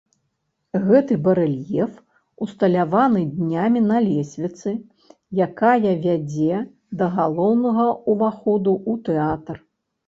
Гэты барэльеф усталяваны днямі на лесвіцы, якая вядзе да галоўнага ўваходу ў тэатр.